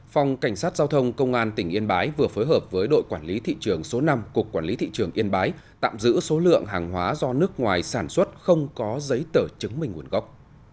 phòng cảnh sát giao thông công an tỉnh yên bái vừa phối hợp với đội quản lý thị trường số năm cục quản lý thị trường yên bái tạm giữ số lượng hàng hóa do nước ngoài sản xuất không có giấy tờ chứng minh nguồn gốc